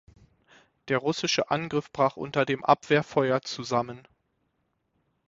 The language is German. Der russische Angriff brach unter dem Abwehrfeuer zusammen.